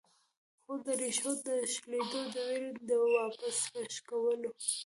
خو د ريښو د شلېدو د وېرې د واپس راښکلو